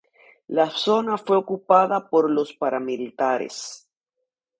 La zona fue ocupada por los paramilitares.